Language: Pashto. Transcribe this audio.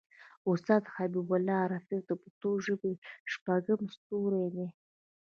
استاد حبیب الله رفیع د پښتو ژبې شپږم ستوری دی.